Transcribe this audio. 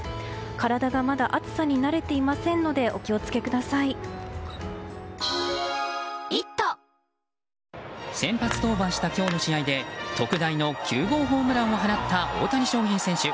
体がまだ暑さに慣れていないので先発登板した今日の試合で特大の９号ホームランを放った大谷翔平選手。